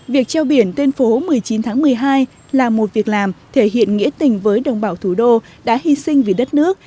việc treo biển tuyên phố một mươi chín tháng một mươi hai là một việc làm thể hiện nghĩa tình với đồng bào thủ đô đã hy sinh vì đất nước